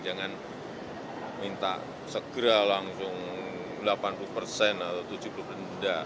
jangan minta segera langsung delapan puluh persen atau tujuh puluh persen muda